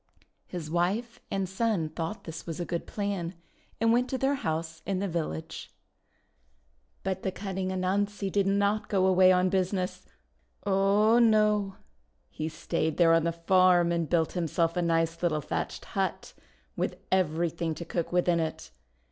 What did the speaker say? His wife and son thought that this was a good plan, and went to their house in the village. But the cunning Anansi did not go away on business; oh, no! He stayed there on the farm and built himself a nice little thatched hut with everything to cook with in it.